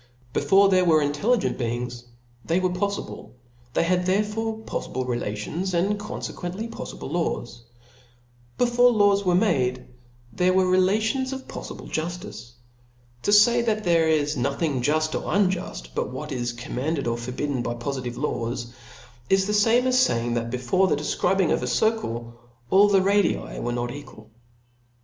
Before there were intel ligent beings, they were poflible ; they had therefore poflible relations, and confequently poflible laws. Before O F L A W S. 3 Moire laws were made, there were relations of pof Book liblejufticc. To fay that there is nothing juft or p, ^• unjuft but what is commanded or forbidden by po lidve laws, is the fame as faying, that before the defcribing of a circle all the radii were not equal.